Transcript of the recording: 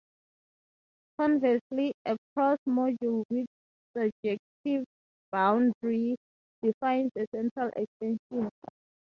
Conversely, a crossed module with surjective boundary defines a central extension.